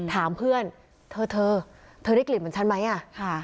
ถามเพื่อนเธอเธอได้กลิ่นเหมือนฉันไหมอ่ะค่ะ